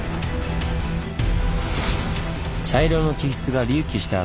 茶色の地質が隆起した